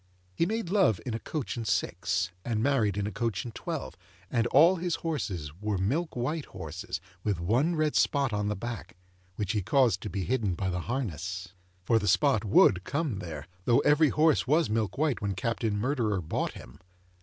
He made love in a coach and six, and married in a coach and twelve, and all his horses were milk white horses with one red spot on the back which he caused to be hidden by the harness. For, the spot would come there, though every horse was milk white when Captain Murderer bought him.